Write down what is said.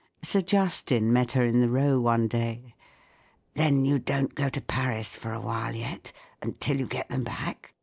Sir Justin met her in the Row one day. " Then you don't go to Paris for awhile yet— until you get them back